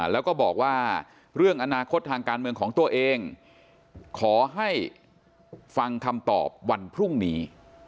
แล้วก็บอกว่าเรื่องอนาคตทางการเมืองของตัวเองขอให้ฟังคำตอบวันพรุ่งนี้